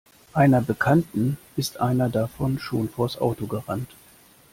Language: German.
Einer Bekannten ist einer davon schon vors Auto gerannt.